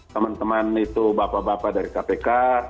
teman teman itu bapak bapak dari kpk